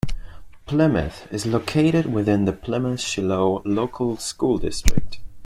Plymouth is located within the Plymouth-Shiloh Local School District.